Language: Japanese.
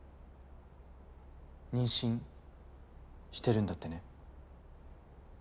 妊娠してるんだってね？